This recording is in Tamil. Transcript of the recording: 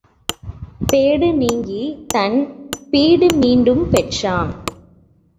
பேடு நீங்கித் தன் பீடு மீண்டும் பெற்றான்.